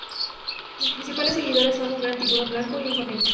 Sus principales seguidores son un gran tiburón blanco y un cangrejo.